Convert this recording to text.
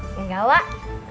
hah enggak wak